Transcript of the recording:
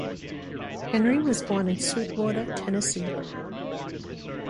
Henry was born in Sweetwater, Tennessee.